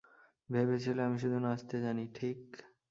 ভেবেছিলে আমি শুধু নাচতে জানি, ঠিক?